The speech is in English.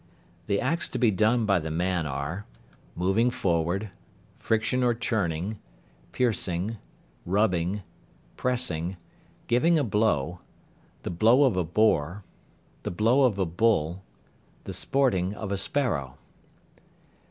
The acts to be done by the man are: Moving forward. Friction or churning. Piercing. Rubbing. Pressing. Giving a blow. The blow of a boar. The blow of a bull. The sporting of a sparrow.